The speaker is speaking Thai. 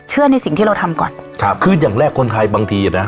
ในสิ่งที่เราทำก่อนครับคืออย่างแรกคนไทยบางทีอ่ะนะ